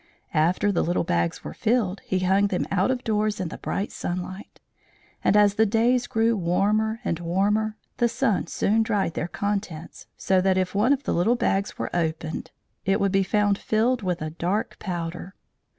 After the little bags were filled, he hung them out of doors in the bright sunlight; and as the days grew warmer and warmer, the sun soon dried their contents, so that if one of the little bags were opened it would be found filled with a dark powder.